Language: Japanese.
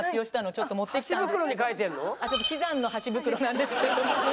ちょっと喜山の箸袋なんですけど。